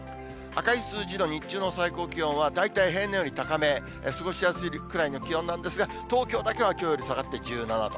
赤い数字の日中の最高気温は大体平年より高め、過ごしやすいくらいの気温なんですが、東京だけはきょうより下がって１７度。